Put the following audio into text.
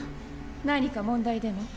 何か問題でも？